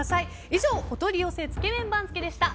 以上お取り寄せつけ麺番付でした。